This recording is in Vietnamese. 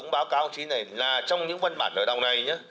báo cáo chính này là trong những văn bản ở đầu này